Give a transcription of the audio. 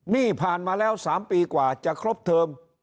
นี่ผ่านมาแล้ว๓ปีกว่าจะครบเทิม